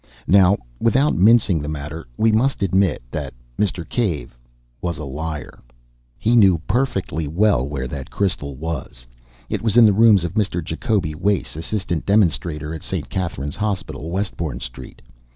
Now, without mincing the matter, we must admit that Mr. Cave was a liar. He knew perfectly well where the crystal was. It was in the rooms of Mr. Jacoby Wace, Assistant Demonstrator at St. Catherine's Hospital, Westbourne Street.